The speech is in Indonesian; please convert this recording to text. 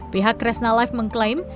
pihak kresna life mengklaim